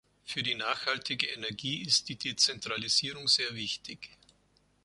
Für die nachhaltige Energie ist die Dezentralisierung sehr wichtig.